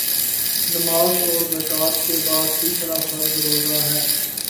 نماز اور زکوٰۃ کے بعدتیسرا فرض روزہ ہے